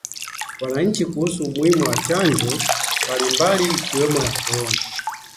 wananchi kuhusu umuhimu wa chanjo mbali mbali ikiwemo ya Corona